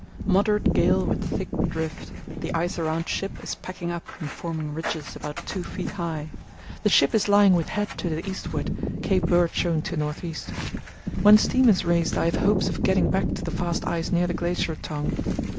Moderate gale with thick drift. The ice around ship is packing up and forming ridges about two feet high. The ship is lying with head to the eastward, Cape Bird showing to north east. When steam is raised I have hopes of getting back to the fast ice near the Glacier Tongue.